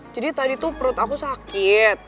jadi tadi tuh perut aku sakit